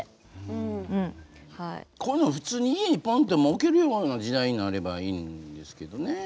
こういうの普通に家にポンってもう置けるような時代になればいいんですけどね。